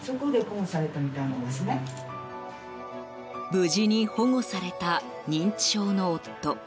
無事に保護された認知症の夫。